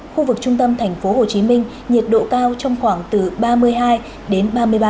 khu vực trung tâm thành phố hồ chí minh nhiệt độ cao trong khoảng từ ba mươi hai đến ba mươi ba độ